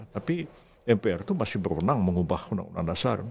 tapi mpr itu masih berwenang mengubah undang undang dasar